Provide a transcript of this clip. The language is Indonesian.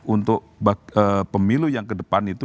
untuk pemilu yang kedepan itu